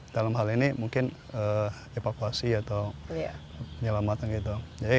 dalam hal ini mungkin evakuasi atau penyelamatan itu